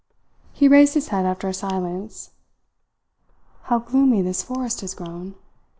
He raised his head after a silence. "How gloomy this forest has grown!